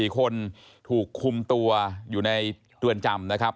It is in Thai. ๔คนถูกคุมตัวอยู่ในเรือนจำนะครับ